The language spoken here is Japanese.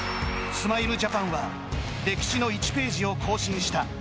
スマイルジャパンは歴史の１ページを更新した。